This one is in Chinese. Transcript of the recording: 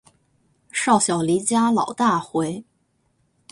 少小离家老大回